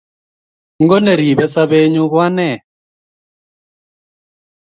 Ngo neribe sobenyi ku ane?